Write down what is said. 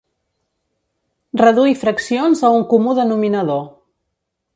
Reduir fraccions a un comú denominador.